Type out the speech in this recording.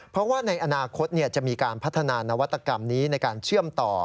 เพราะว่าในอนาคตจะมีการพัฒนานวัตกรรมนี้ในการเชื่อมต่อ